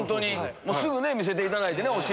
すぐ見せていただいてお尻。